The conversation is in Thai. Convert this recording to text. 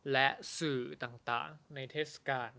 และสื่อต่างในเทศกาล